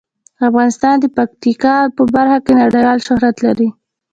افغانستان د پکتیکا په برخه کې نړیوال شهرت لري.